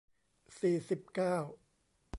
สี่สิบเก้า